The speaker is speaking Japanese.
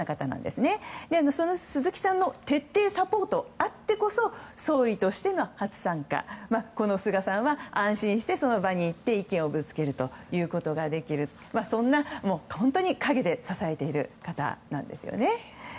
その鈴木さんの徹底サポートあってこそ総理としての初参加菅さんは安心してその場に行って意見をぶつけるということができるそんな陰で支えている方なんですね。